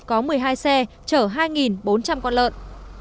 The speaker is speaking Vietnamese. có một mươi hai xe chở hai bốn trăm linh con lợn